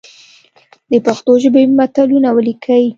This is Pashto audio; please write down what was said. د پښتو ژبي متلونه ولیکئ!